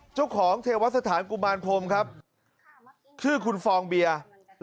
เจ้าของเทวัตรสถานกุมารพรมครับชื่อคุณฟองเบียร์